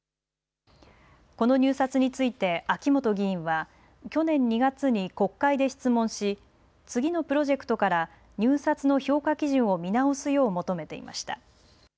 この入札について秋本議員は去年２月に国会で質問し次のプロジェクトから入札の評価基準を見直すよう求めていました。